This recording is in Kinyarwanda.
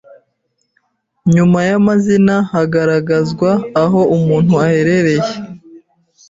Nyuma y’amazina hagaragazwa aho umuntu aherereye